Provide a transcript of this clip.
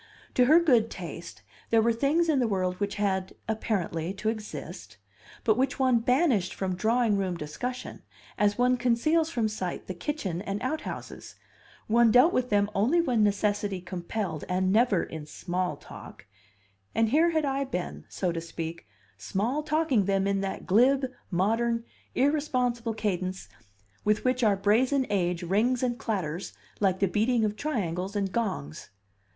To her good taste, there were things in the world which had, apparently, to exist, but which one banished from drawing room discussion as one conceals from sight the kitchen and outhouses; one dealt with them only when necessity compelled, and never in small talk; and here had I been, so to speak, small talking them in that glib, modern, irresponsible cadence with which our brazen age rings and clatters like the beating of triangles and gongs.